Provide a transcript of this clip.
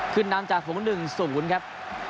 ขึ้นนำจากฝูง๑๐ครับ